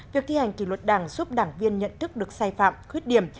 việc thi hành kỷ luật đảng giúp đảng viên nhận thức được sai phạm khuyết điểm